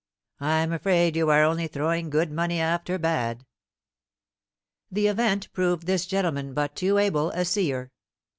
"I'm afraid you are only throwing good money after bad." The event proved this gentleman but too able a seer.